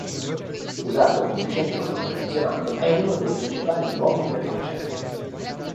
Usato come centro polifunzionale, è uno dei principali luoghi per concerti.